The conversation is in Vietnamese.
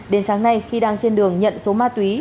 đến sáng nay khi đang trên đường nhận số ma túy